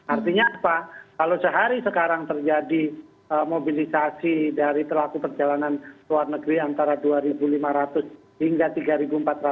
artinya apa kalau sehari sekarang terjadi mobilisasi dari pelaku perjalanan luar negeri antara dua lima ratus hingga tiga empat ratus